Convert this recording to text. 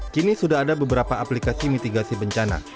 kini sudah ada beberapa aplikasi mitigasi bencana